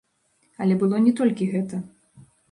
Але было не толькі гэта.